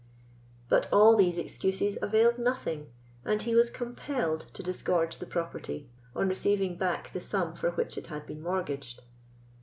But all these excuses availed nothing, and he was compelled to disgorge the property, on receiving back the sum for which it had been mortgaged.